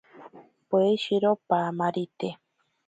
Poeshiro paamarite.